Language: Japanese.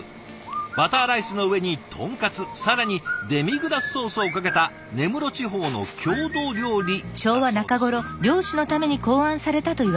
バターライスの上に豚カツ更にデミグラスソースをかけた根室地方の郷土料理だそうです。